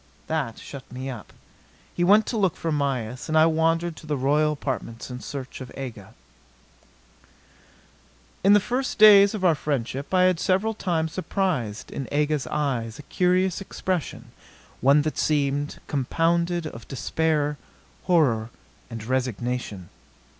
That shut me up. He went to look for Mayis; and I wandered to the royal apartments in search of Aga. In the first days of our friendship I had several times surprised in Aga's eyes a curious expression, one that seemed compounded of despair, horror and resignation.